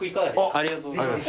ありがとうございます。